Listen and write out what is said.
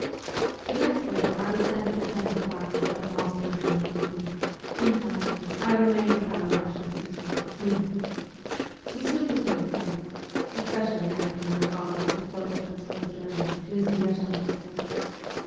The next winter I was sent to attend the classes at a Moscow gymnasium ; and finally I remained with our Kussian teacher, Smirnoff. We soon became friends, especially after my father took both of us for a journey to his Ryazan estate.